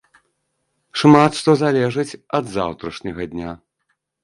Шмат што залежыць ад заўтрашняга дня.